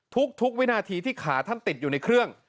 ทุกวินาทีที่ขาท่านติดอยู่ในเครื่อง